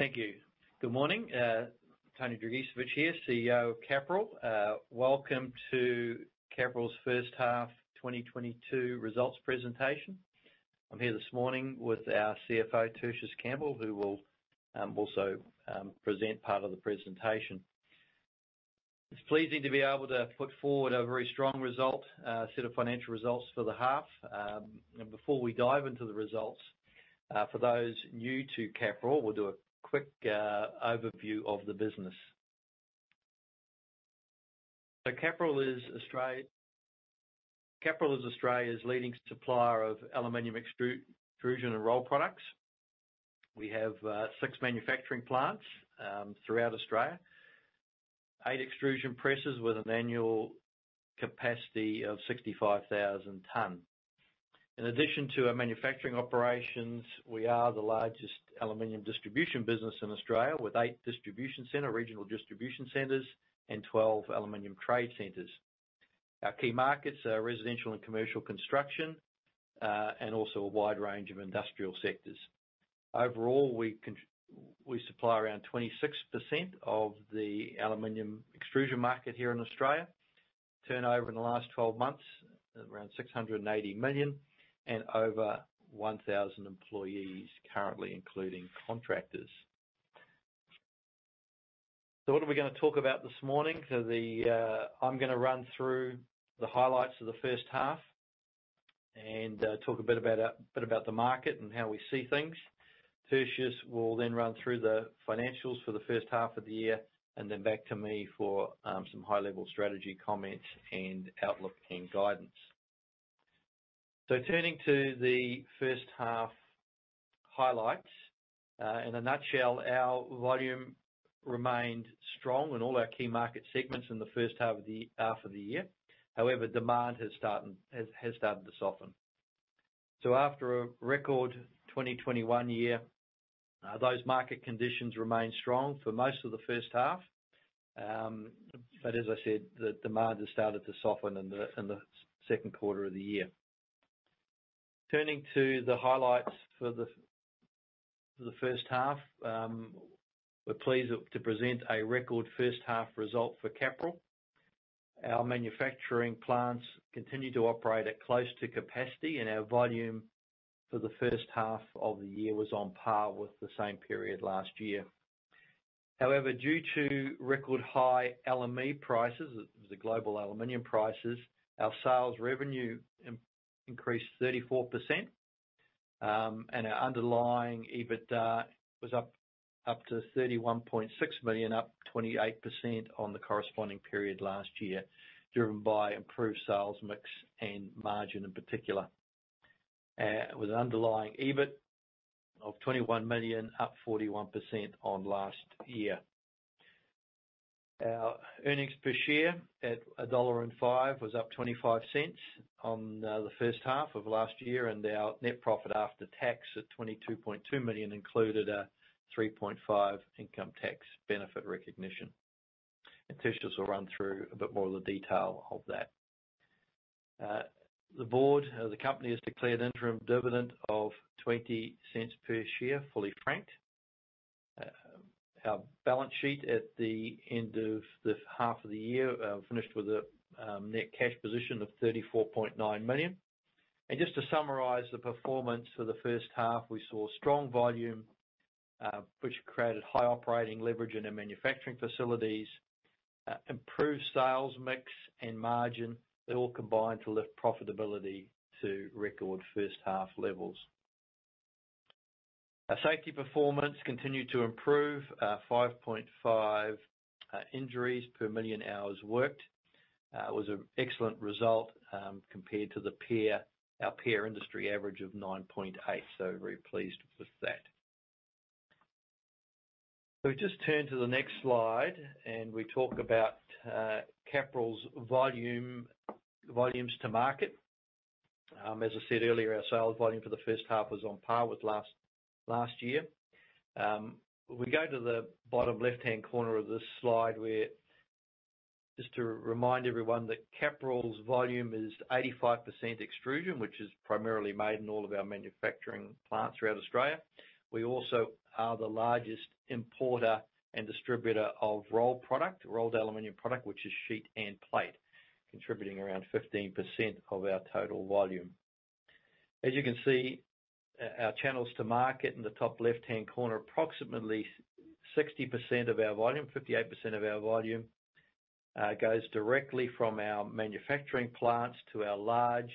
Thank you. Good morning, Tony Dragicevich here, CEO of Capral. Welcome to Capral's first half 2022 results presentation. I'm here this morning with our CFO, Tertius Campbell, who will also present part of the presentation. It's pleasing to be able to put forward a very strong set of financial results for the half. Before we dive into the results, for those new to Capral, we'll do a quick overview of the business. Capral is Australia's leading supplier of aluminum extrusion and rolled products. We have six manufacturing plants throughout Australia. Eight extrusion presses with an annual capacity of 65,000 tons. In addition to our manufacturing operations, we are the largest aluminum distribution business in Australia, with eight regional distribution centers and 12 aluminum trade centers. Our key markets are residential and commercial construction, and also a wide range of industrial sectors. Overall, we supply around 26% of the aluminum extrusion market here in Australia. Turnover in the last 12 months, around 680 million, and over 1,000 employees currently, including contractors. What are we gonna talk about this morning? I'm gonna run through the highlights of the first half and talk a bit about the market and how we see things. Tertius will then run through the financials for the first half of the year, and then back to me for some high-level strategy comments and outlook and guidance. Turning to the first half highlights. In a nutshell, our volume remained strong in all our key market segments in the first half of the year. However, demand has started to soften. After a record 2021 year, those market conditions remained strong for most of the first half. As I said, the demand has started to soften in the second quarter of the year. Turning to the highlights for the first half. We're pleased to present a record first half result for Capral. Our manufacturing plants continue to operate at close to capacity, and our volume for the first half of the year was on par with the same period last year. However, due to record high LME prices, the global aluminum prices, our sales revenue increased 34%, and our underlying EBITDA was up to 31.6 million, up 28% on the corresponding period last year, driven by improved sales mix and margin in particular. With an underlying EBIT of 21 million, up 41% on last year. Our earnings per share at 1.05 dollar was up 0.25 on the first half of last year, and our net profit after tax at 22.2 million included a 3.5 income tax benefit recognition. Tertius will run through a bit more of the detail of that. The board of the company has declared interim dividend of 0.20 per share, fully franked. Our balance sheet at the end of the half of the year finished with a net cash position of 34.9 million. Just to summarize the performance for the first half, we saw strong volume, which created high operating leverage in our manufacturing facilities. Improved sales mix and margin that all combined to lift profitability to record first half levels. Our safety performance continued to improve, 5.5 injuries per million hours worked. It was an excellent result, compared to our peer industry average of 9.8. Very pleased with that. We just turn to the next slide and we talk about Capral's volume, volumes to market. As I said earlier, our sales volume for the first half was on par with last year. We go to the bottom left-hand corner of this slide where just to remind everyone that Capral's volume is 85% extrusion, which is primarily made in all of our manufacturing plants throughout Australia. We also are the largest importer and distributor of rolled product, rolled aluminum product, which is sheet and plate, contributing around 15% of our total volume. As you can see, our channels to market in the top left-hand corner, 58% of our volume goes directly from our manufacturing plants to our large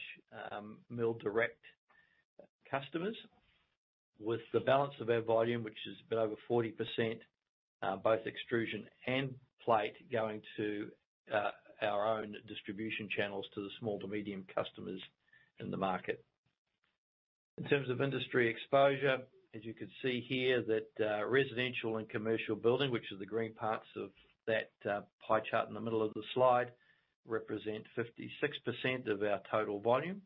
mill direct customers. With the balance of our volume, which is a bit over 40%, both extrusion and plate, going to our own distribution channels to the small to medium customers in the market. In terms of industry exposure, as you can see here that residential and commercial buildings, which are the green parts of that pie chart in the middle of the slide, represent 56% of our total volume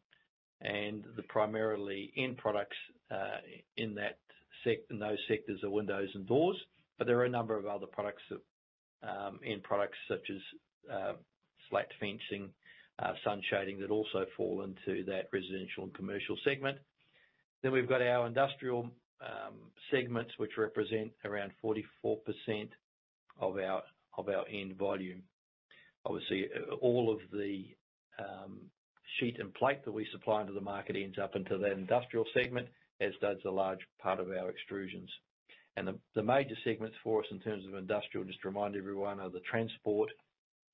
and the primary end products in those sectors are Windows and Doors, but there are a number of other products, end products such as slat fencing, sun shading that also fall into that residential and commercial segment. We've got our industrial segments which represent around 44% of our end volume. Obviously, all of the sheet and plate that we supply into the market ends up in that industrial segment, as does a large part of our extrusions. The major segments for us in terms of industrial, just to remind everyone, are the transport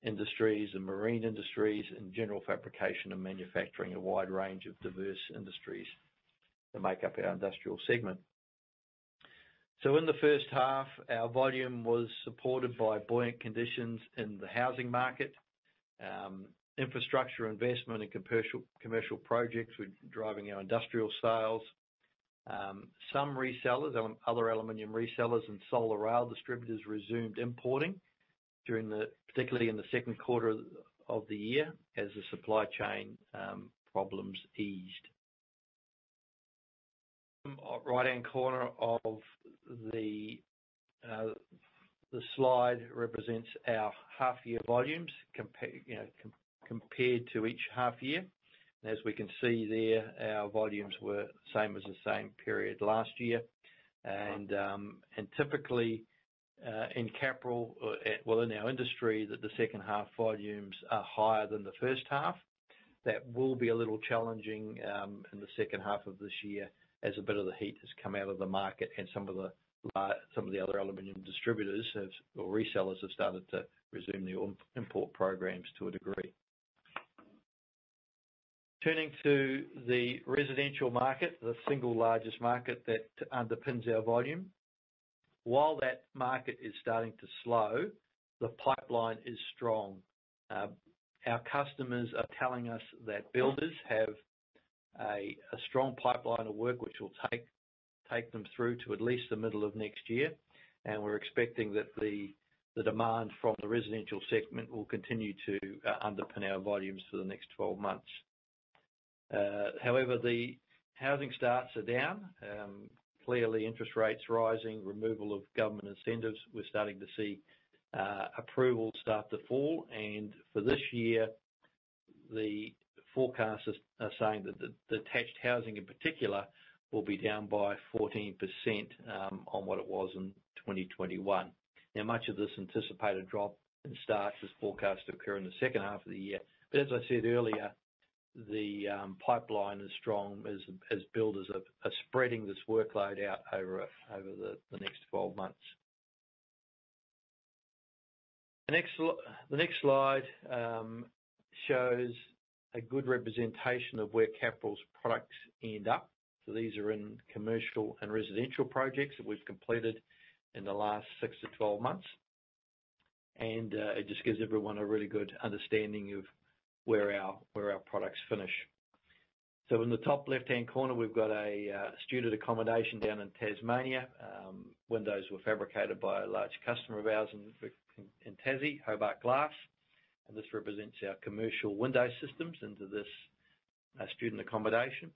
industries, the marine industries, and general fabrication and manufacturing. A wide range of diverse industries that make up our industrial segment. In the first half, our volume was supported by buoyant conditions in the housing market. Infrastructure investment in commercial projects were driving our industrial sales. Some resellers and other aluminum resellers and solar rail distributors resumed importing particularly in the second quarter of the year as the supply chain problems eased. Right-hand corner of the slide represents our half-year volumes compared, you know, to each half year. As we can see there, our volumes were same as the same period last year. Typically, in Capral, well, in our industry, the second half volumes are higher than the first half. That will be a little challenging in the second half of this year as a bit of the heat has come out of the market and some of the other aluminum distributors have, or resellers have started to resume their import programs to a degree. Turning to the residential market, the single largest market that underpins our volume. While that market is starting to slow, the pipeline is strong. Our customers are telling us that builders have a strong pipeline of work which will take them through to at least the middle of next year. We're expecting that the demand from the residential segment will continue to underpin our volumes for the next 12 months. However, the housing starts are down. Clearly interest rates rising, removal of government incentives, we're starting to see approvals start to fall. For this year, the forecasters are saying that the detached housing in particular will be down by 14%, on what it was in 2021. Now, much of this anticipated drop in starts is forecast to occur in the second half of the year. As I said earlier, the pipeline is strong as builders are spreading this workload out over the next 12 months. The next slide shows a good representation of where Capral's products end up. These are in commercial and residential projects that we've completed in the last six to 12 months. It just gives everyone a really good understanding of where our products finish. In the top left-hand corner, we've got a student accommodation down in Tasmania. Windows were fabricated by a large customer of ours in Tassie, Hobart Glass. This represents our Commercial Window Systems into this student accommodation.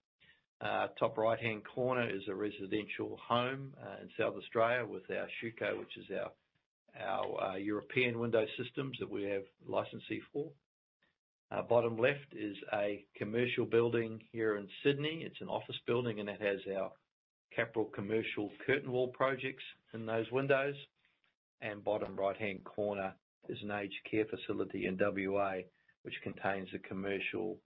Top right-hand corner is a residential home in South Australia with our Schüco, which is our European Window Systems that we have licence for. Bottom left is a commercial building here in Sydney. It's an office building, and it has our Capral Commercial Curtain Wall projects in those windows. Bottom right-hand corner is an Aged Care facility in WA, which contains a commercial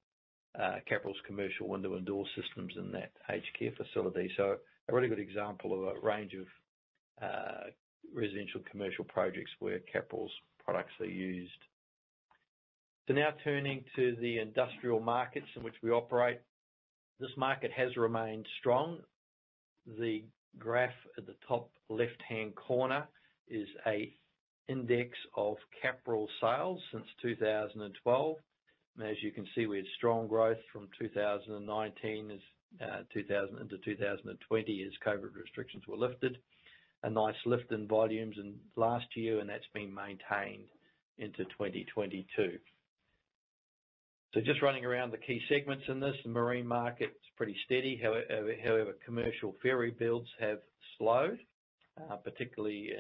Capral's Commercial Window and Door Systems in that Aged Care facility. A really good example of a range of residential commercial projects where Capral's products are used. Now turning to the industrial markets in which we operate. This market has remained strong. The graph at the top left-hand corner is an index of Capral sales since 2012. As you can see, we had strong growth from 2019-2020 as COVID restrictions were lifted. A nice lift in volumes in last year, and that's been maintained into 2022. Just running around the key segments in this. The marine market's pretty steady. However, commercial ferry builds have slowed, particularly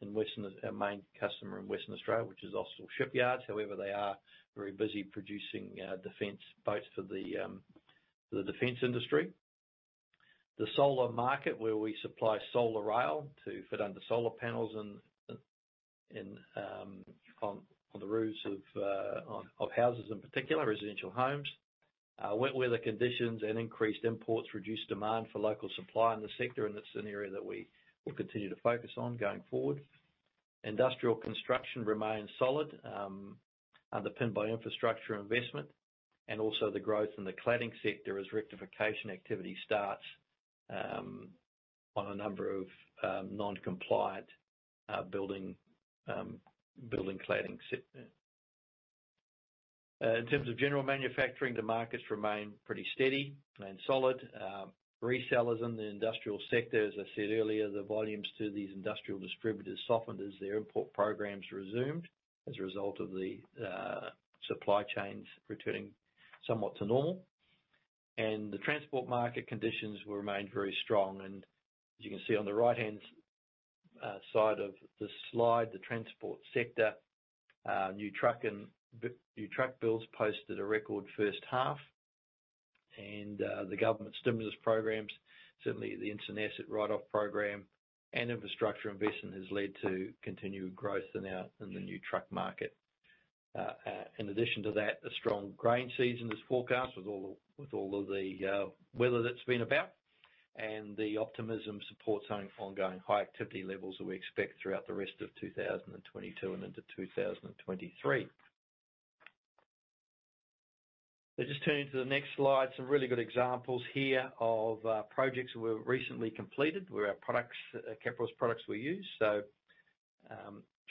in Western Australia. Our main customer in Western Australia, which is Austal shipyard. However, they are very busy producing defense boats for the defense industry. The solar market where we supply solar rail to fit under solar panels and on the roofs of houses in particular, residential homes. Wet weather conditions and increased imports reduced demand for local supply in the sector, and that's an area that we will continue to focus on going forward. Industrial construction remains solid, underpinned by infrastructure investment and also the growth in the cladding sector as rectification activity starts on a number of non-compliant building cladding sector. In terms of general manufacturing, the markets remain pretty steady and solid. Resellers in the industrial sector, as I said earlier, the volumes to these industrial distributors softened as their import programs resumed as a result of the supply chains returning somewhat to normal. The transport market conditions remained very strong. As you can see on the right-hand side of the slide, the transport sector, new truck builds posted a record first half and, the government stimulus programs, certainly the Instant Asset Write-Off program and infrastructure investment has led to continued growth in our, in the new truck market. In addition to that, a strong grain season is forecast with all of the weather that's been about and the optimism supports ongoing high activity levels that we expect throughout the rest of 2022 and into 2023. Let's just turn to the next slide. Some really good examples here of projects we've recently completed where our products, Capral's products were used.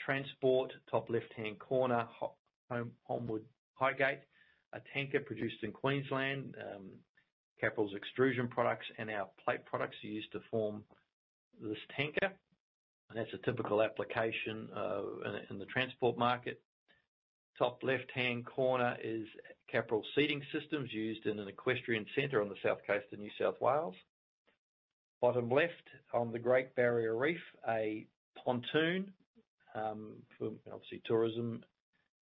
Transport, top left-hand corner, Holmwood Highgate, a tanker produced in Queensland. Capral's extrusion products and our plate products are used to form this tanker. That's a typical application in the transport market. Top left-hand corner is Capral Seating Systems used in an Equestrian Center on the South Coast of New South Wales. Bottom left, on the Great Barrier Reef, a Pontoon for obviously tourism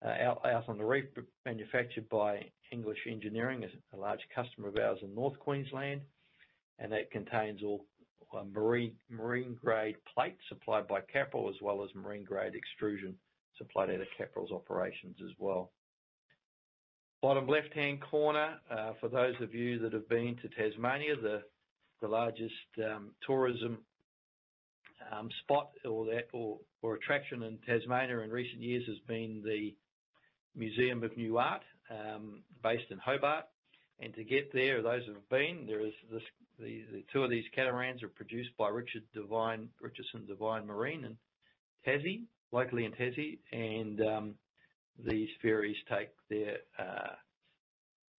out on the reef manufactured by English Engineering, a large customer of ours in North Queensland, and that contains all marine-grade plates supplied by Capral as well as marine-grade extrusion supplied out of Capral's operations as well. Bottom left-hand corner, for those of you that have been to Tasmania, the largest tourism spot or attraction in Tasmania in recent years has been the Museum of Old and New Art based in Hobart. To get there, those that have been, there are two of these Catamarans produced by Richardson Devine Marine in Tassie, locally in Tassie. These ferries take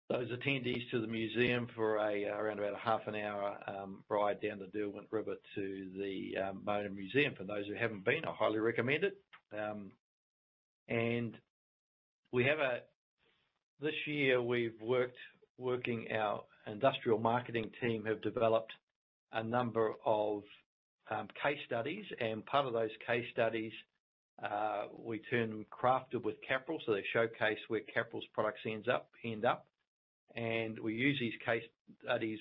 those attendees to the museum for around about a half an hour ride down the Derwent River to the MONA. For those who haven't been, I highly recommend it. This year, our industrial marketing team has developed a number of case studies, and part of those case studies, we term Crafted with Capral. They showcase where Capral's products end up. We use these case studies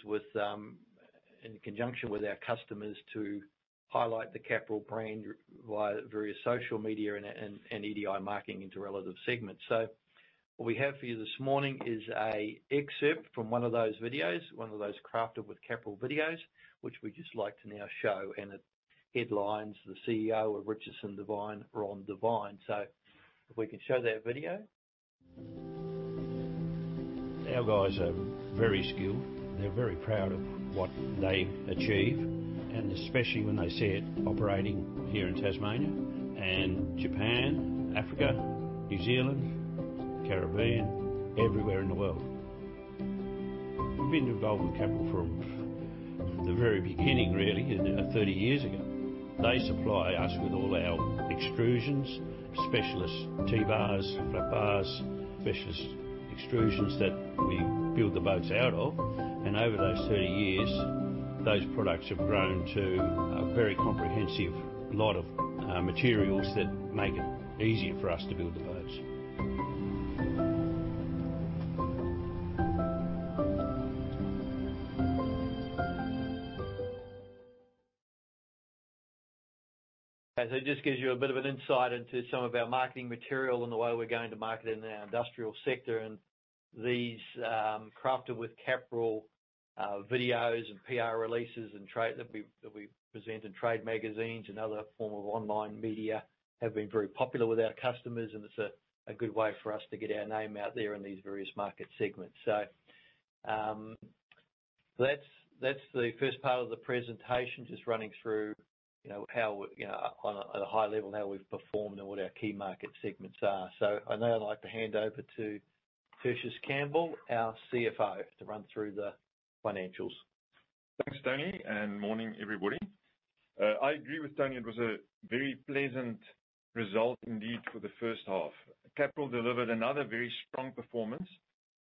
in conjunction with our customers to highlight the Capral brand via various social media and EDI marketing into relevant segments. What we have for you this morning is an excerpt from one of those videos, one of those Crafted with Capral videos, which we'd just like to now show. It headlines the CEO of Richardson Devine Marine, Ron Devine. If we can show that video. Our guys are very skilled. They're very proud of what they achieve, and especially when they see it operating here in Tasmania and Japan, Africa, New Zealand, Caribbean, everywhere in the world. We've been involved with Capral from the very beginning, really, 30 years ago. They supply us with all our extrusions, specialist T-bars, flat bars, specialist extrusions that we build the boats out of. Over those 30 years, those products have grown to a very comprehensive lot of materials that make it easier for us to build the boats. It just gives you a bit of an insight into some of our marketing material and the way we're going to market in the industrial sector and these, Crafted with Capral, videos and PR releases and trade that we present in trade magazines and other form of online media have been very popular with our customers, and it's a good way for us to get our name out there in these various market segments. That's the first part of the presentation, just running through, you know, how, you know, at a high level, how we've performed and what our key market segments are. I'd now like to hand over to Tertius Campbell, our CFO, to run through the financials. Thanks, Tony, and good morning, everybody. I agree with Tony. It was a very pleasant result indeed for the first half. Capral delivered another very strong performance.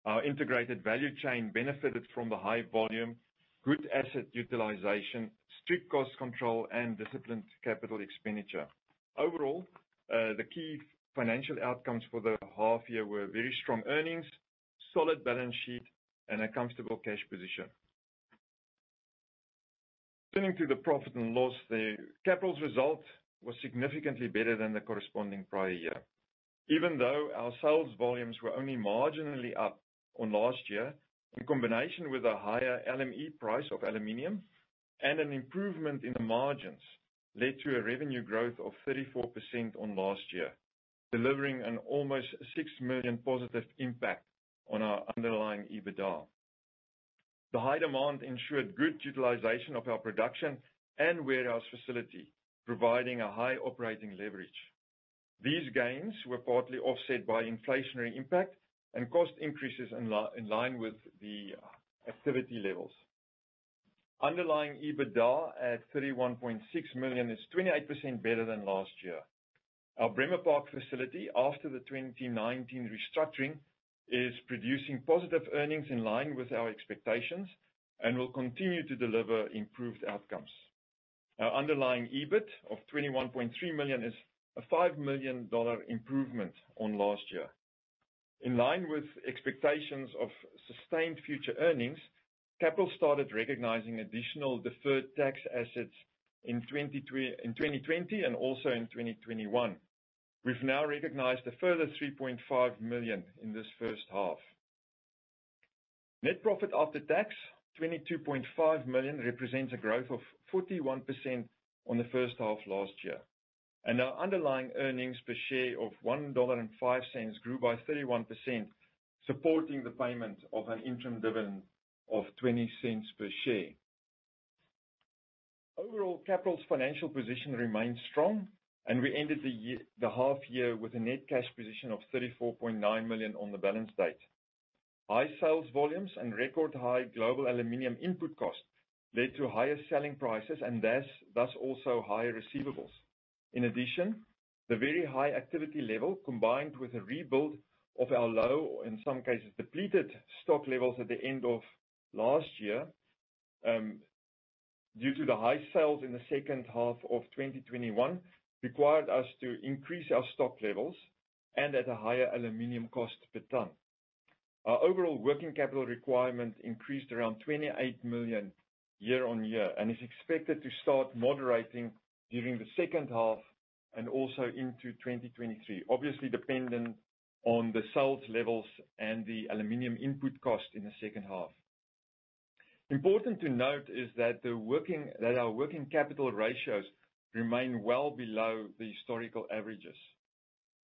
Our integrated value chain benefited from the high volume, good asset utilization, strict cost control, and disciplined capital expenditure. Overall, the key financial outcomes for the half year were very strong earnings, solid balance sheet, and a comfortable cash position. Turning to the profit and loss, Capral's result was significantly better than the corresponding prior year. Even though our sales volumes were only marginally up on last year, in combination with a higher LME price of aluminum and an improvement in the margins led to a revenue growth of 34% on last year, delivering an almost 6 million positive impact on our underlying EBITDA. The high demand ensured good utilization of our production and warehouse facility, providing a high operating leverage. These gains were partly offset by inflationary impact and cost increases in line with the activity levels. Underlying EBITDA at 31.6 million is 28% better than last year. Our Bremer Park facility, after the 2019 restructuring, is producing positive earnings in line with our expectations and will continue to deliver improved outcomes. Our underlying EBIT of 21.3 million is a 5 million dollar improvement on last year. In line with expectations of sustained future earnings, Capral started recognizing additional deferred tax assets in 2020 and also in 2021. We've now recognized a further 3.5 million in this first half. Net profit after tax, 22.5 million represents a growth of 41% on the first half last year. Our underlying earnings per share of 1.05 dollar grew by 31%, supporting the payment of an interim dividend of 0.20 per share. Overall, Capral's financial position remains strong and we ended the half year with a net cash position of 34.9 million on the balance date. High sales volumes and record high global aluminum input costs led to higher selling prices and thus also higher receivables. In addition, the very high activity level, combined with a rebuild of our low, in some cases depleted, stock levels at the end of last year, due to the high sales in the second half of 2021, required us to increase our stock levels and at a higher aluminum cost per ton. Our overall working capital requirement increased around 28 million year-over-year and is expected to start moderating during the second half and also into 2023. Obviously dependent on the sales levels and the aluminum input cost in the second half. Important to note is that our working capital ratios remain well below the historical averages.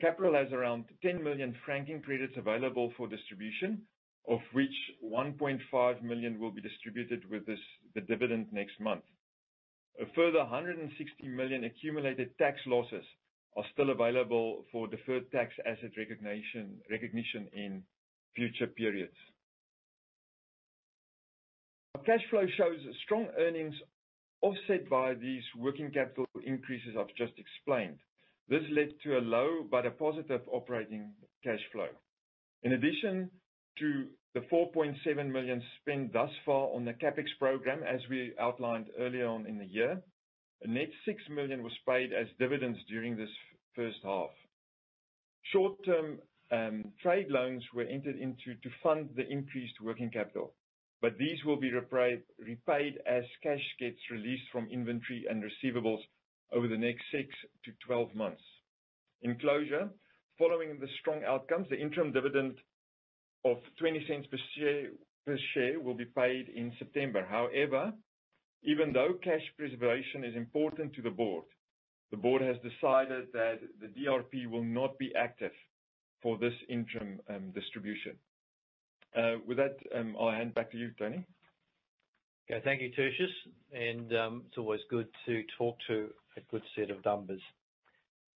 Capral has around 10 million franking credits available for distribution, of which 1.5 million will be distributed with this, the dividend next month. A further 160 million accumulated tax losses are still available for deferred tax asset recognition in future periods. Our cash flow shows strong earnings offset by these working capital increases I've just explained. This led to a low but a positive operating cash flow. In addition to the 4.7 million spent thus far on the CapEx program, as we outlined earlier on in the year. A net 6 million was paid as dividends during this first half. Short-term, trade loans were entered into to fund the increased working capital, but these will be repaid as cash gets released from inventory and receivables over the next six-12 months. In closing, following the strong outcomes, the interim dividend of 0.20 per share will be paid in September. However, even though cash preservation is important to the board, the board has decided that the DRP will not be active for this interim distribution. With that, I'll hand back to you, Tony. Okay. Thank you, Tertius. It's always good to talk to a good set of numbers.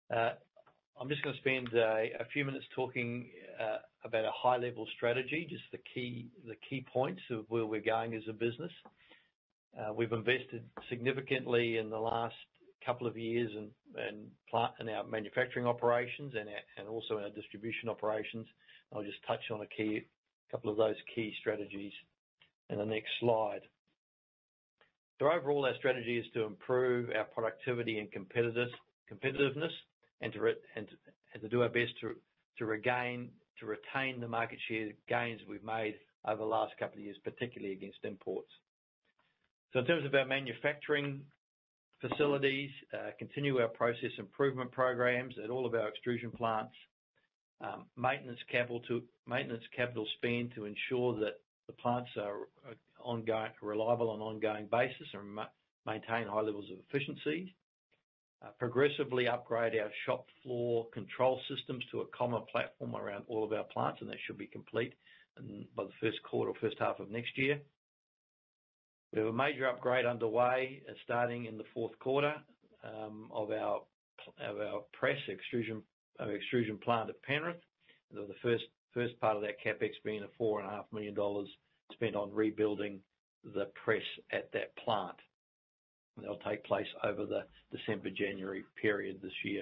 I'm just gonna spend a few minutes talking about a high-level strategy, just the key points of where we're going as a business. We've invested significantly in the last couple of years in plant and our manufacturing operations and also in our distribution operations. I'll just touch on a couple of those key strategies in the next slide. Overall, our strategy is to improve our productivity and competitiveness and to do our best to retain the market share gains we've made over the last couple of years, particularly against imports. In terms of our manufacturing facilities, continue our process improvement programs at all of our extrusion plants. Maintenance capital spend to ensure that the plants are ongoing, reliable on ongoing basis and maintain high levels of efficiency. Progressively upgrade our shop floor control systems to a common platform around all of our plants, and that should be complete in, by the first quarter or first half of next year. We have a major upgrade underway, starting in the fourth quarter, of our press extrusion plant at Penrith. The first part of that CapEx being 4.5 million dollars spent on rebuilding the press at that plant. That'll take place over the December-January period this year.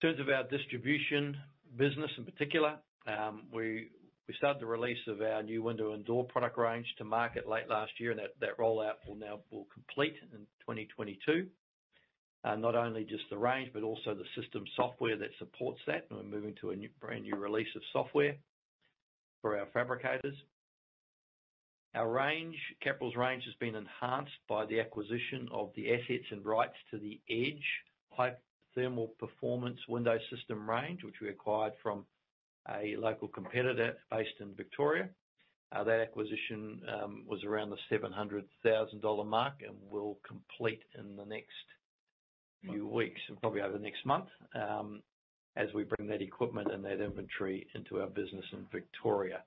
In terms of our distribution business in particular, we started the release of our new Window and Door product range to market late last year, and that rollout will complete in 2022. Not only just the range but also the system software that supports that, and we're moving to a new, brand-new release of software for our fabricators. Our range, Capral's range has been enhanced by the acquisition of the assets and rights to the EDGE high thermal performance window system range, which we acquired from a local competitor based in Victoria. That acquisition was around the 700,000 dollar mark and will complete in the next few weeks and probably over the next month, as we bring that equipment and that inventory into our business in Victoria.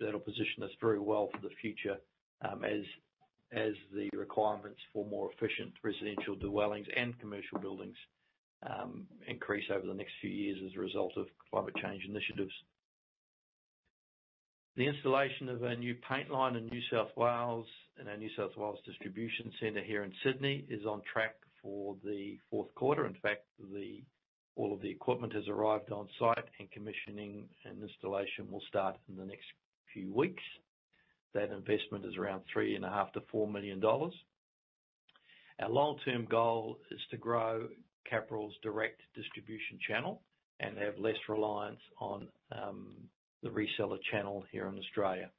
That'll position us very well for the future, as the requirements for more efficient residential dwellings and commercial buildings increase over the next few years as a result of climate change initiatives. The installation of a new paint line in New South Wales and our New South Wales distribution center here in Sydney is on track for the fourth quarter. In fact, all of the equipment has arrived on site and commissioning and installation will start in the next few weeks. That investment is around 3.5 million-4 million dollars. Our long-term goal is to grow Capral's direct distribution channel and have less reliance on the reseller channel here in Australia.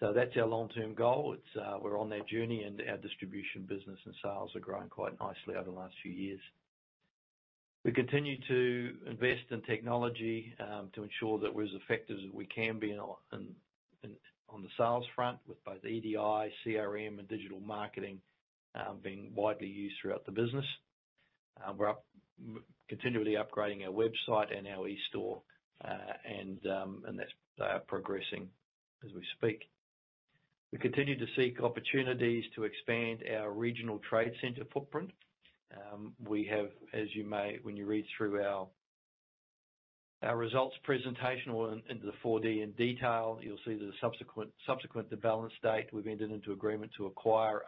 That's our long-term goal. We're on that journey and our distribution business and sales are growing quite nicely over the last few years. We continue to invest in technology to ensure that we're as effective as we can be on the sales front with both EDI, CRM and digital marketing being widely used throughout the business. We're continually upgrading our website and our e-store, and that's progressing as we speak. We continue to seek opportunities to expand our regional trade center footprint. When you read through our results presentation or in Appendix 4D in detail, you'll see that subsequent to balance date, we've entered into agreement to acquire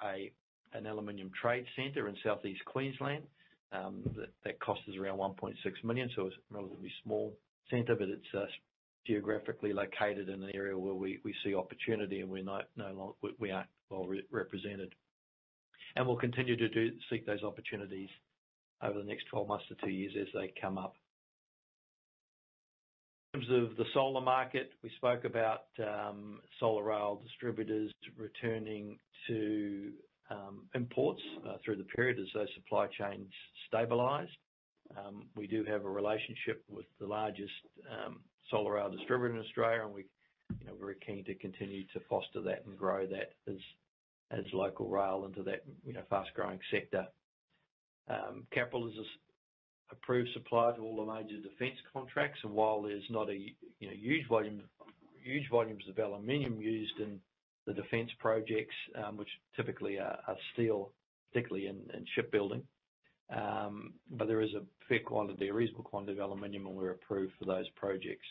an aluminum trade center in Southeast Queensland. That cost is around 1.6 million, so it's a relatively small center, but it's geographically located in an area where we see opportunity and we aren't well represented. We'll continue to seek those opportunities over the next 12 months to two years as they come up. In terms of the solar market, we spoke about solar rail distributors returning to imports through the period as those supply chains stabilized. We do have a relationship with the largest solar rail distributor in Australia and we, you know, very keen to continue to foster that and grow that as local rail into that, you know, fast-growing sector. Capral is this approved supplier to all the major defense contracts and while there's not a you know, huge volumes of aluminum used in the defense projects, which typically are steel, particularly in shipbuilding, but there is a fair quantity, a reasonable quantity of aluminum and we're approved for those projects.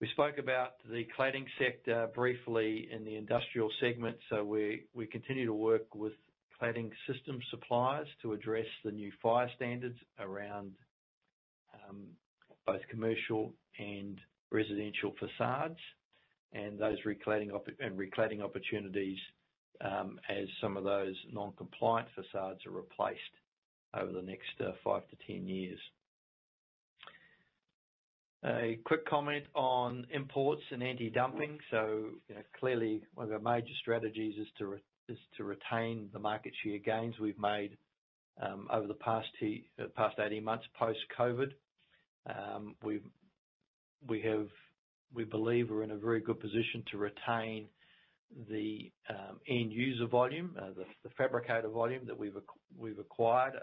We spoke about the cladding sector briefly in the industrial segment. We continue to work with cladding system suppliers to address the new fire standards around both commercial and residential facades and those recladding opportunities as some of those non-compliant facades are replaced over the next five-10 years. A quick comment on imports and anti-dumping. You know, clearly one of our major strategies is to retain the market share gains we've made over the past 18 months post-COVID. We have... We believe we're in a very good position to retain the end user volume, the fabricator volume that we've acquired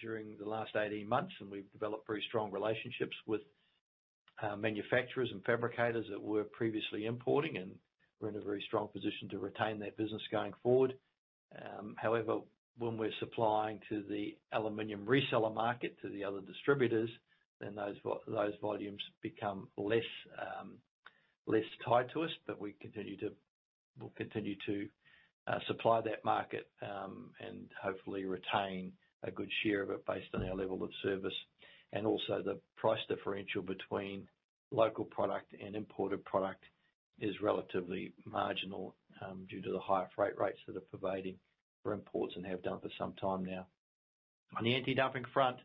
during the last 18 months, and we've developed very strong relationships with manufacturers and fabricators that were previously importing and we're in a very strong position to retain that business going forward. However, when we're supplying to the aluminum reseller market, to the other distributors, then those volumes become less tied to us. We'll continue to supply that market and hopefully retain a good share of it based on our level of service. Also the price differential between local product and imported product is relatively marginal due to the higher freight rates that are pervading for imports and have done for some time now. On the anti-dumping front,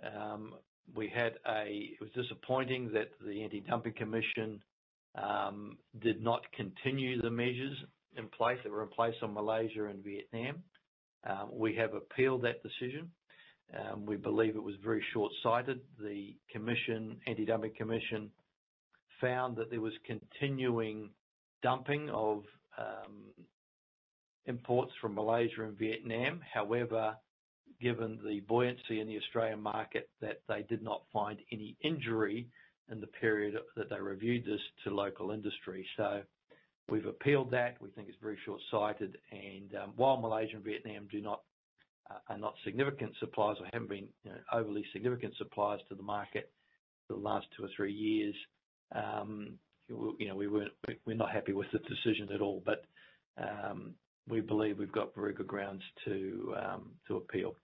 it was disappointing that the Anti-Dumping Commission did not continue the measures in place. They were in place on Malaysia and Vietnam. We have appealed that decision. We believe it was very short-sighted. The Commission, Anti-Dumping Commission, found that there was continuing dumping of imports from Malaysia and Vietnam. However, given the buoyancy in the Australian market, that they did not find any injury in the period that they reviewed this to local industry. We've appealed that. We think it's very short-sighted and while Malaysia and Vietnam are not significant suppliers or haven't been, you know, overly significant suppliers to the market for the last two or three years, you know, we're not happy with the decision at all, but we believe we've got very good grounds to appeal.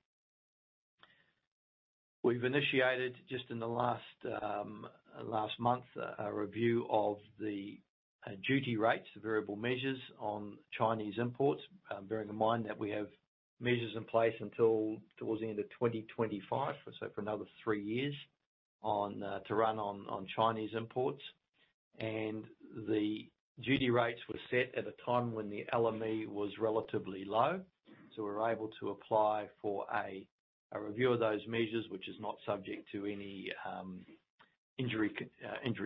We've initiated just in the last month a review of the duty rates, the variable measures on Chinese imports. Bearing in mind that we have measures in place until towards the end of 2025, so for another three years on to run on Chinese imports. The duty rates were set at a time when the LME was relatively low. We're able to apply for a review of those measures, which is not subject to any injury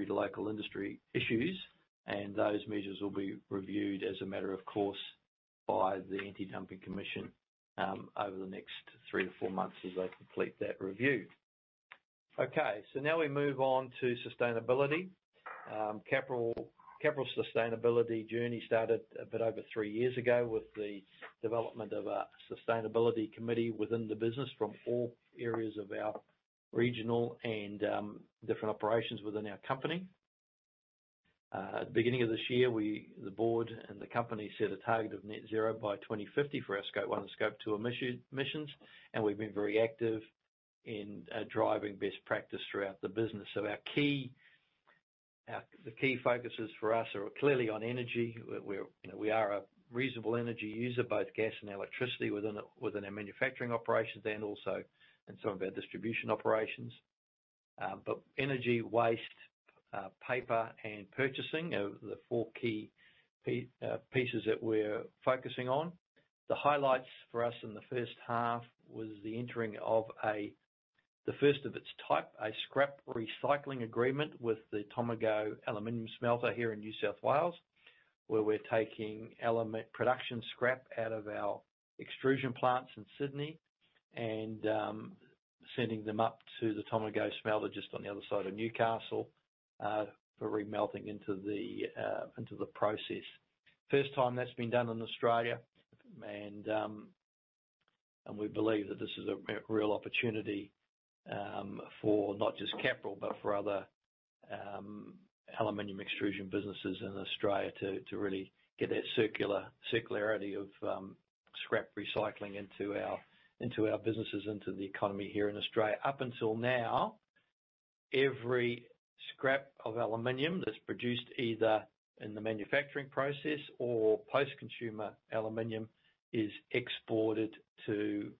to local industry issues, and those measures will be reviewed as a matter of course by the Anti-Dumping Commission over the next three to four months as they complete that review. Okay, now we move on to sustainability. Capral sustainability journey started a bit over three years ago with the development of a sustainability committee within the business from all areas of our regional and different operations within our company. At the beginning of this year, the board and the company set a target of net zero by 2050 for our Scope 1 and Scope 2 emissions, and we've been very active in driving best practice throughout the business. The key focuses for us are clearly on energy. You know, we are a reasonable energy user, both gas and electricity within our manufacturing operations and also in some of our distribution operations. Energy waste, paper, and purchasing are the four key pieces that we're focusing on. The highlights for us in the first half was the entering of the first of its type, a scrap recycling agreement with the Tomago Aluminium smelter here in New South Wales, where we're taking production scrap out of our extrusion plants in Sydney and sending them up to the Tomago smelter just on the other side of Newcastle for re-melting into the process. First time that's been done in Australia, and we believe that this is a real opportunity for not just Capral but for other aluminum extrusion businesses in Australia to really get that circularity of scrap recycling into our businesses, into the economy here in Australia. Up until now, every scrap of aluminum that's produced, either in the manufacturing process or post-consumer aluminum, is exported to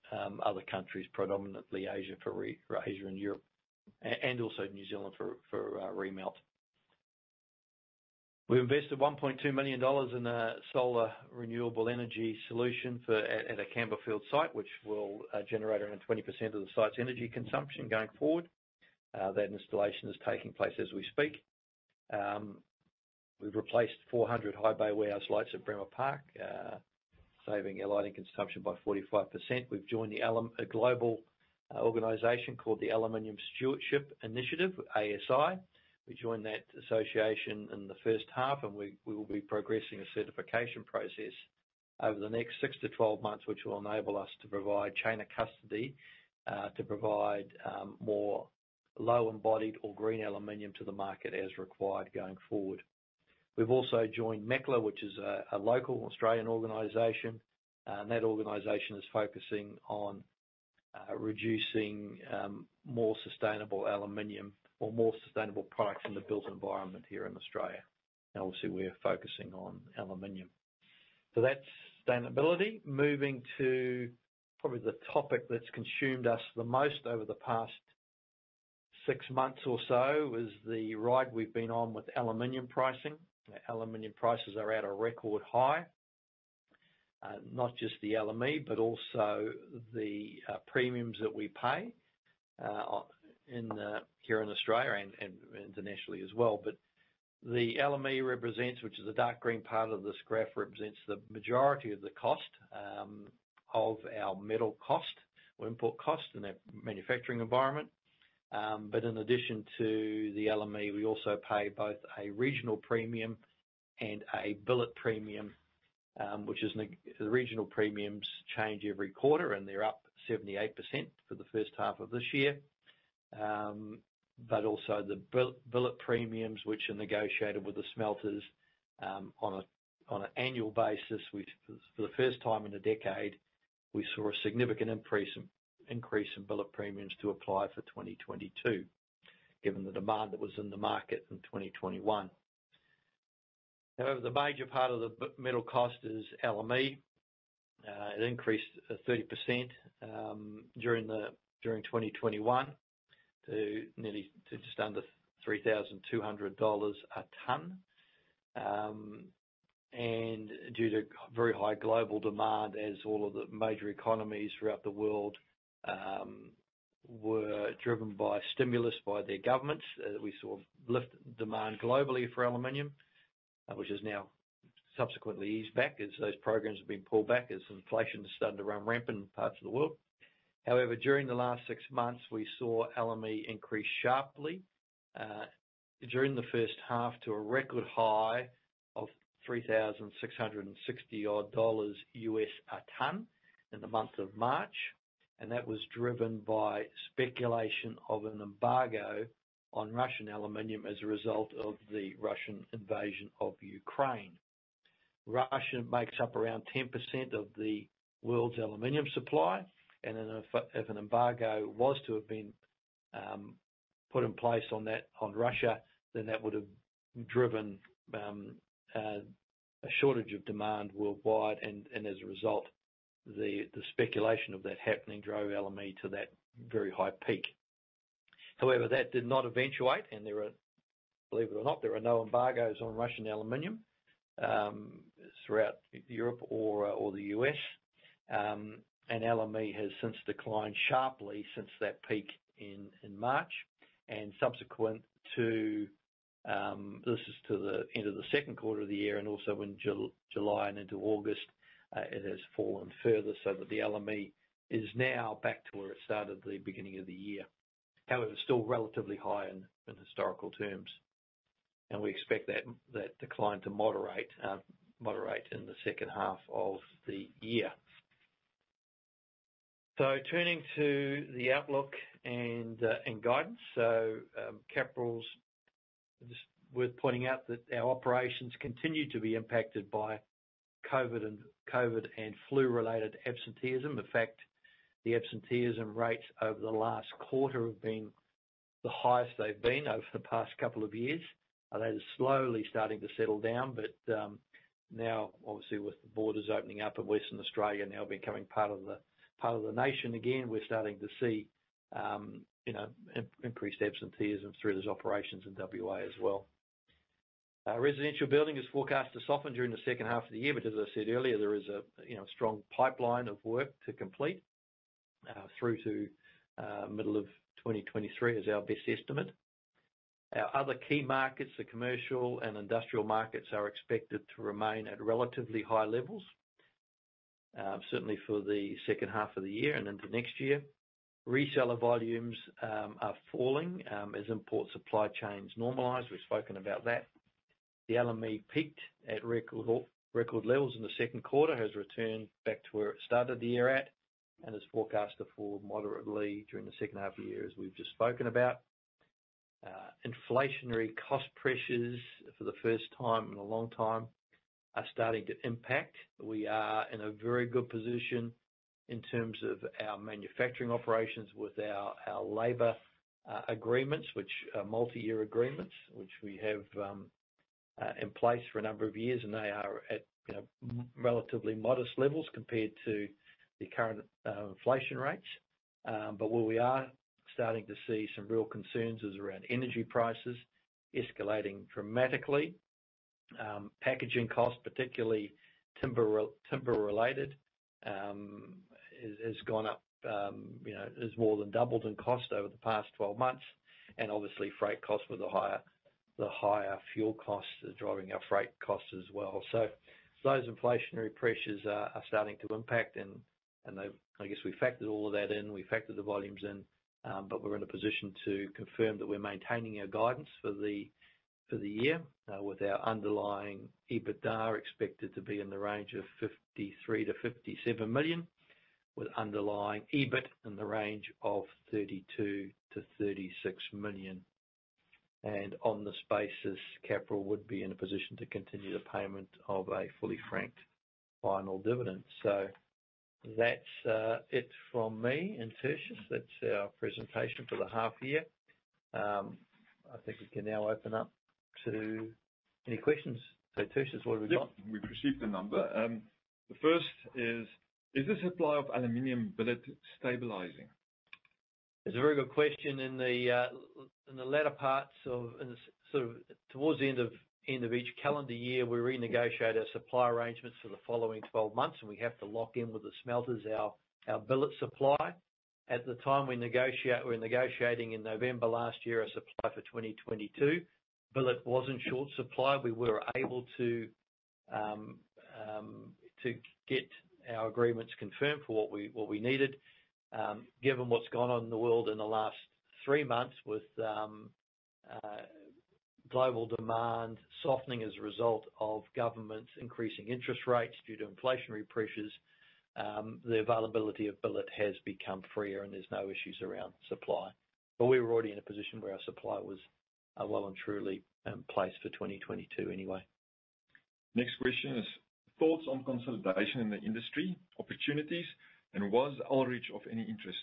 other countries, predominantly Asia and Europe, and also New Zealand for re-melt. We invested 1.2 million dollars in a solar renewable energy solution for our Campbellfield site, which will generate around 20% of the site's energy consumption going forward. That installation is taking place as we speak. We've replaced 400 high bay warehouse lights at Bremer Park, saving our lighting consumption by 45%. We've joined a global organization called the Aluminium Stewardship Initiative, ASI. We joined that association in the first half, and we will be progressing a certification process over the next 6-12 months, which will enable us to provide chain of custody to provide more low embodied or green aluminum to the market as required going forward. We've also joined MECLA, which is a local Australian organization, and that organization is focusing on reducing more sustainable aluminum or more sustainable products in the built environment here in Australia. Obviously, we're focusing on aluminum. That's sustainability. Moving to probably the topic that's consumed us the most over the past six months or so is the ride we've been on with aluminium pricing. Aluminium prices are at a record high, not just the LME, but also the premiums that we pay here in Australia and internationally as well. The LME, which is the dark green part of this graph, represents the majority of the cost of our metal cost or import cost in our manufacturing environment. In addition to the LME, we also pay both a regional premium and a billet premium. The regional premiums change every quarter, and they're up 78% for the first half of this year. The Billet premiums, which are negotiated with the smelters, on an annual basis, which is for the first time in a decade, we saw a significant increase in Billet premiums to apply for 2022, given the demand that was in the market in 2021. However, the major part of the metal cost is LME. It increased 30% during 2021 to just under 3,200 dollars a ton. Due to very high global demand, as all of the major economies throughout the world were driven by stimulus by their governments, we saw a lift in demand globally for aluminum, which has now subsequently eased back as those programs have been pulled back, as inflation has started to run rampant in parts of the world. However, during the last six months, we saw LME increase sharply during the first half to a record high of $3,660-odd a ton in the month of March. That was driven by speculation of an embargo on Russian aluminum as a result of the Russian invasion of Ukraine. Russia makes up around 10% of the world's aluminum supply, and if an embargo was to have been put in place on that, on Russia, then that would have driven a shortage of demand worldwide. As a result, the speculation of that happening drove LME to that very high peak. However, that did not eventuate, and there are, believe it or not, no embargoes on Russian aluminum throughout Europe or the U.S. LME has since declined sharply since that peak in March and subsequent to this is to the end of the second quarter of the year, and also in July and into August, it has fallen further so that the LME is now back to where it started the beginning of the year. However, still relatively high in historical terms. We expect that decline to moderate in the second half of the year. Turning to the outlook and guidance. Capral's just worth pointing out that our operations continue to be impacted by COVID and flu-related absenteeism. In fact, the absenteeism rates over the last quarter have been the highest they've been over the past couple of years. That is slowly starting to settle down. Now, obviously, with the borders opening up and Western Australia now becoming part of the nation again, we're starting to see you know increased absenteeism through those operations in WA as well. Our residential building is forecast to soften during the second half of the year, but as I said earlier, there is a you know strong pipeline of work to complete through to middle of 2023 as our best estimate. Our other key markets, the commercial and industrial markets, are expected to remain at relatively high levels certainly for the second half of the year and into next year. Reseller volumes are falling as import supply chains normalize. We've spoken about that. The LME peaked at record levels in the second quarter, has returned back to where it started the year at, and is forecast to fall moderately during the second half of the year, as we've just spoken about. Inflationary cost pressures for the first time in a long time are starting to impact. We are in a very good position in terms of our manufacturing operations with our labor agreements, which are multi-year agreements, which we have in place for a number of years, and they are at, you know, relatively modest levels compared to the current inflation rates. Where we are starting to see some real concerns is around energy prices escalating dramatically. Packaging costs, particularly timber related, has gone up, you know, has more than doubled in cost over the past 12 months. Obviously freight costs with the higher fuel costs are driving our freight costs as well. Those inflationary pressures are starting to impact and I guess we factored all of that in, we factored the volumes in, but we're in a position to confirm that we're maintaining our guidance for the year with our underlying EBITDA expected to be in the range of 53 million-57 million, with underlying EBIT in the range of 32 million-36 million. On this basis, Capral would be in a position to continue the payment of a fully franked final dividend. That's it from me and Tertius. That's our presentation for the half year. I think we can now open up to any questions. Tertius, what have we got? Yeah. We've received a number. The first is the supply of aluminum billet stabilizing? It's a very good question. In the latter parts of each calendar year, we renegotiate our supply arrangements for the following 12 months, and we have to lock in with the smelters our billet supply. At the time we negotiate, we were negotiating in November last year a supply for 2022. Billet was in short supply. We were able to get our agreements confirmed for what we needed. Given what's gone on in the world in the last three months with global demand softening as a result of governments increasing interest rates due to inflationary pressures, the availability of billet has become freer and there's no issues around supply. We were already in a position where our supply was well and truly placed for 2022 anyway. Next question is, thoughts on consolidation in the industry, opportunities, and was Ullrich of any interest?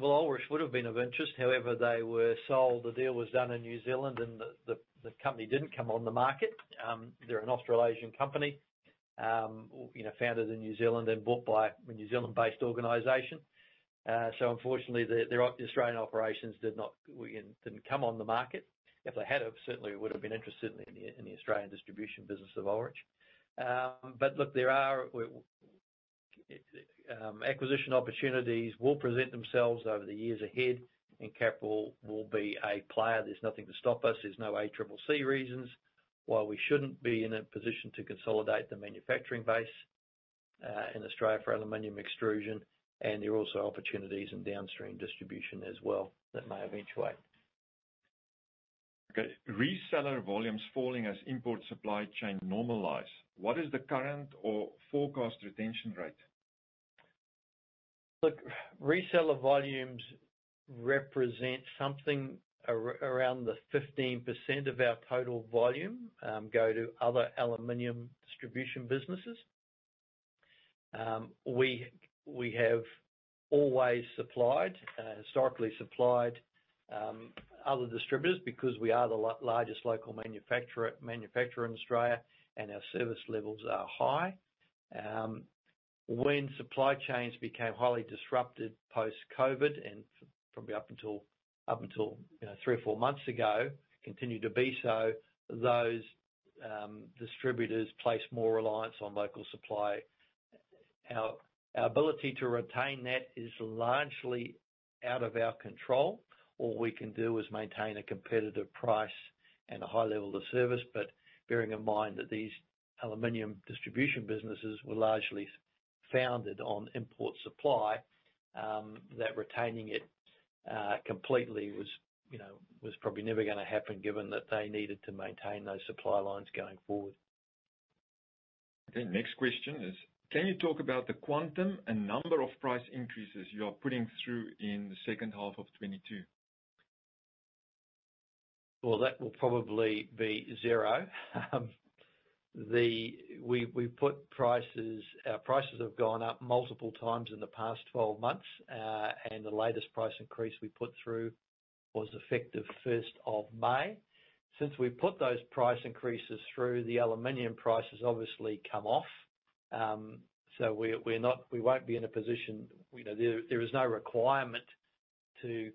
Well, Ullrich would have been of interest, however, they were sold. The deal was done in New Zealand, and the company didn't come on the market. They're an Australasian company, you know, founded in New Zealand and bought by a New Zealand-based organization. So unfortunately, the Australian operations didn't come on the market. If they had have, certainly would have been interested in the Australian distribution business of Ullrich. But look, there are acquisition opportunities will present themselves over the years ahead and Capral will be a player. There's nothing to stop us. There's no ACCC reasons why we shouldn't be in a position to consolidate the manufacturing base in Australia for aluminium extrusion. There are also opportunities in downstream distribution as well that may eventuate. Okay. Reseller volumes falling as import supply chains normalize. What is the current or forecast retention rate? Look, reseller volumes represent something around the 15% of our total volume go to other aluminum distribution businesses. We have always historically supplied other distributors because we are the largest local manufacturer in Australia, and our service levels are high. When supply chains became highly disrupted post-COVID, and probably up until you know three or four months ago continued to be so, those distributors place more reliance on local supply. Our ability to retain that is largely out of our control. All we can do is maintain a competitive price and a high level of service, but bearing in mind that these aluminum distribution businesses were largely founded on import supply, that retaining it completely was you know was probably never gonna happen given that they needed to maintain those supply lines going forward. Okay, next question is: can you talk about the quantum and number of price increases you are putting through in the second half of 2022? Well, that will probably be zero. Our prices have gone up multiple times in the past 12 months, and the latest price increase we put through was effective 1st of May. Since we put those price increases through, the aluminum price has obviously come off. We won't be in a position, you know, there is no requirement to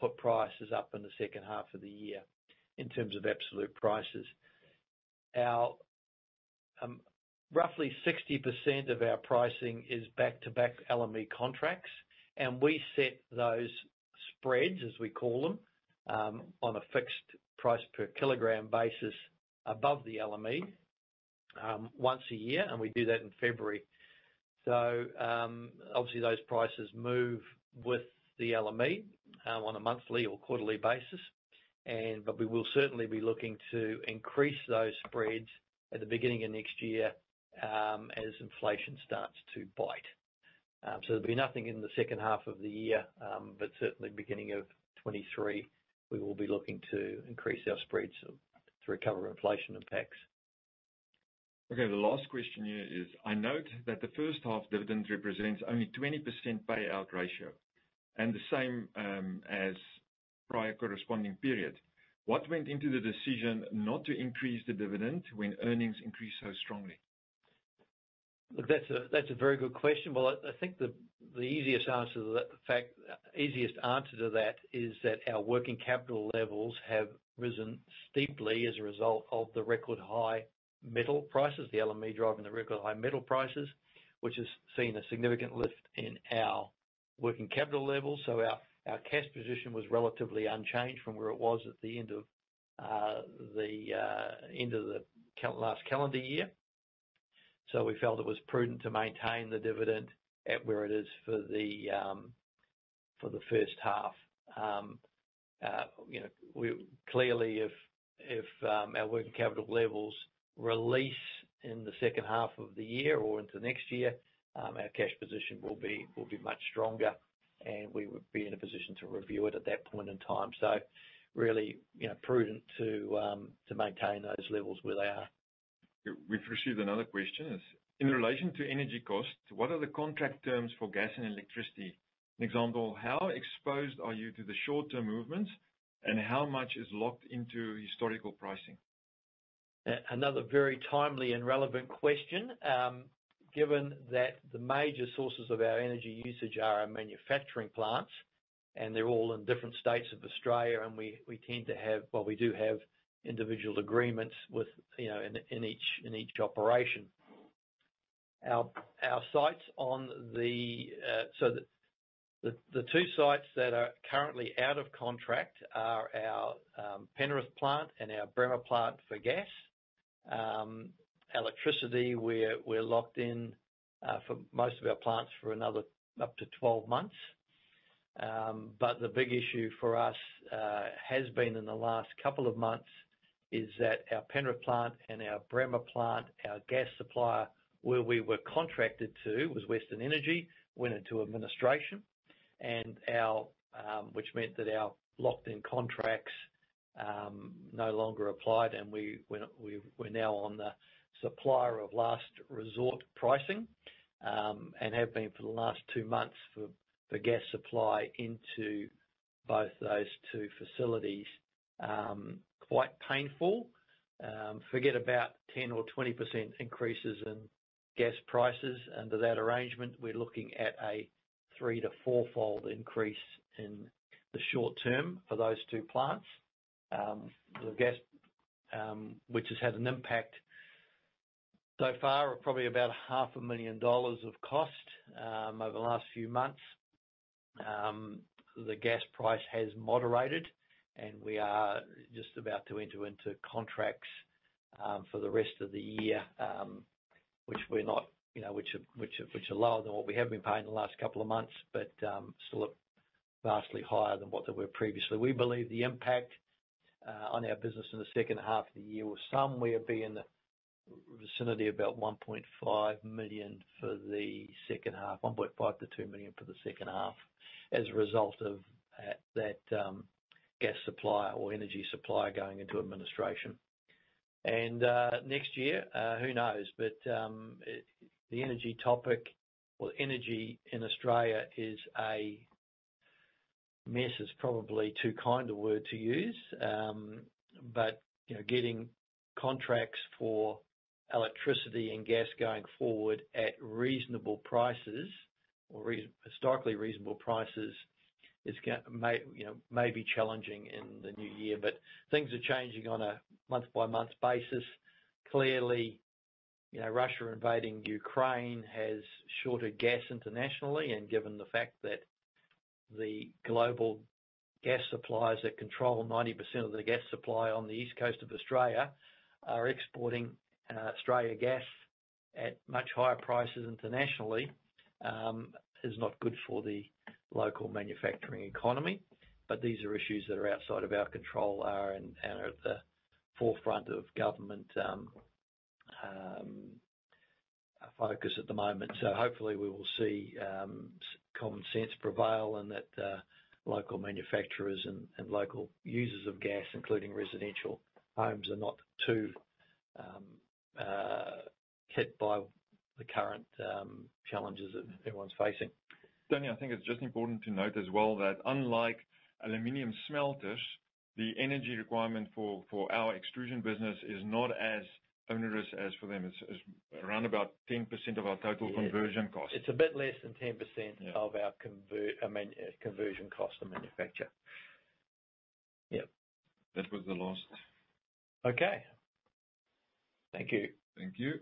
put prices up in the second half of the year in terms of absolute prices. Our roughly 60% of our pricing is back-to-back LME contracts, and we set those spreads, as we call them, on a fixed price per kilogram basis above the LME, once a year, and we do that in February. Obviously those prices move with the LME on a monthly or quarterly basis, but we will certainly be looking to increase those spreads at the beginning of next year, as inflation starts to bite. There'll be nothing in the second half of the year, but certainly beginning of 2023, we will be looking to increase our spreads to recover inflation impacts. Okay, the last question here is: I note that the first half dividend represents only 20% payout ratio, and the same as prior corresponding period. What went into the decision not to increase the dividend when earnings increased so strongly? Look, that's a very good question. Well, I think the easiest answer to that is that our working capital levels have risen steeply as a result of the record high metal prices, the LME driving the record high metal prices, which has seen a significant lift in our working capital levels. Our cash position was relatively unchanged from where it was at the end of the last calendar year. We felt it was prudent to maintain the dividend at where it is for the first half. You know, clearly if our working capital levels release in the second half of the year or into next year, our cash position will be much stronger, and we would be in a position to review it at that point in time. Really, you know, prudent to maintain those levels where they are. We've received another question. In relation to energy costs, what are the contract terms for gas and electricity? An example, how exposed are you to the short-term movements, and how much is locked into historical pricing? Another very timely and relevant question. Given that the major sources of our energy usage are our manufacturing plants, and they're all in different states of Australia, and we tend to have well, we do have individual agreements with, you know, in each operation. Our sites, so the two sites that are currently out of contract are our Penrith plant and our Bremer plant for gas. Electricity, we're locked in for most of our plants for another up to 12 months. The big issue for us has been in the last couple of months is that our Penrith plant and our Bremer plant, our gas supplier, where we were contracted to, was Weston Energy, went into administration. Which meant that our locked-in contracts no longer applied and we're now on the supplier of last resort pricing and have been for the last two months for the gas supply into both those two facilities. Quite painful. Forget about 10% or 20% increases in gas prices. Under that arrangement, we're looking at a three- to four-fold increase in the short term for those two plants. The gas, which has had an impact so far of probably about half a million dollars of cost over the last few months. The gas price has moderated, and we are just about to enter into contracts for the rest of the year, which are lower than what we have been paying the last couple of months, but still vastly higher than what they were previously. We believe the impact on our business in the second half of the year will somewhere be in the vicinity of about 1.5 million for the second half, 1.5 million-2 million for the second half as a result of that gas supplier or energy supplier going into administration. Next year, who knows? It, the energy topic or energy in Australia is a mess is probably too kind a word to use. You know, getting contracts for electricity and gas going forward at reasonable prices or historically reasonable prices may, you know, be challenging in the new year. Things are changing on a month-by-month basis. Clearly, you know, Russia invading Ukraine has shortened gas internationally, and given the fact that the global gas suppliers that control 90% of the gas supply on the east coast of Australia are exporting Australian gas at much higher prices internationally is not good for the local manufacturing economy. These are issues that are outside of our control and are at the forefront of government focus at the moment. Hopefully we will see common sense prevail and that local manufacturers and local users of gas, including residential homes, are not too hit by the current challenges that everyone's facing. Tony, I think it's just important to note as well that unlike aluminum smelters, the energy requirement for our extrusion business is not as onerous as for them. It's around about 10% of our total conversion cost. It's a bit less than 10%. Yeah. Of our conversion cost to manufacture. Yeah. That was the last. Okay. Thank you. Thank you.